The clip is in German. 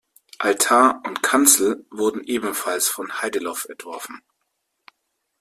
Altar und Kanzel wurden ebenfalls von Heideloff entworfen.